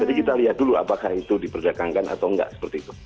jadi kita lihat dulu apakah itu diberdagangkan atau enggak seperti itu